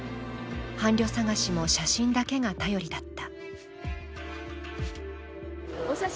伴侶探しも写真だけが頼りだった。